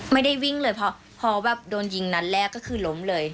ไม่ได้วิ่งเลยพอแบบโดนยิงนัดแรกก็คือล้มเลย